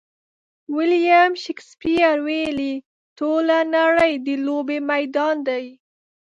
ویلیم شکسپیر ویلي: ټوله نړۍ د لوبې میدان دی.